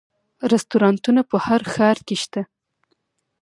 رستورانتونه په هر ښار کې شته